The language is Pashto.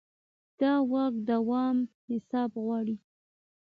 د واک دوام حساب غواړي